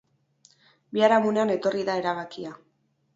Biharamunean etorri da erabakia.